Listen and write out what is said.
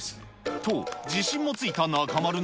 と、自信もついた中丸に。